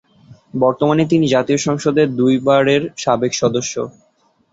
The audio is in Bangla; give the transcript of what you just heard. বর্তমানে তিনি জাতীয় সংসদের দুইবারের সাবেক সদস্য।